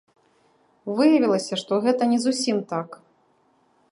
Выявілася, што гэта не зусім так.